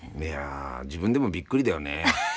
いや自分でもびっくりだよね。